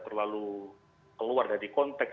terlalu keluar dari konteks